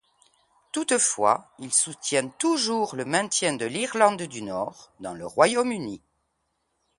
Toutefois, il soutient toujours le maintien de l'Irlande du Nord dans le Royaume-Uni.